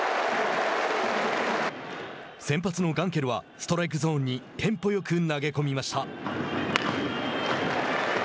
先発のガンケルはストライクゾーンにテンポよく投げ込みました。